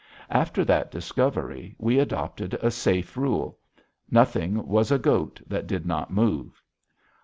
After that discovery, we adopted a safe rule: nothing was a goat that did not move.